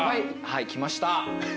はい来ました。